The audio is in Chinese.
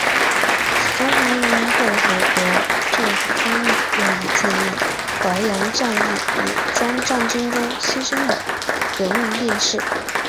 是中华人民共和国政府方面用以纪念淮海战役碾庄战斗中牺牲的革命烈士。